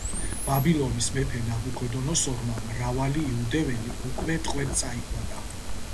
ბაბილონის მეფე ნაბუქოდონოსორმა მრავალი იუდეველი უკვე ტყვედ წაიყვანა.